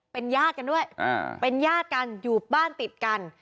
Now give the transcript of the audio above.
เป็นญาติกันด้วยเป็นญาติกันอยู่บ้านติดกัน